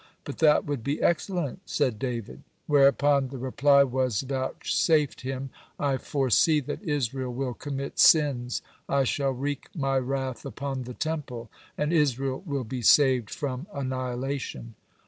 "But that would be excellent," said David. Whereupon the reply was vouchsafed him: "I foresee that Israel will commit sins. I shall wreak My wrath upon the Temple, and Israel will be saved from annihilation.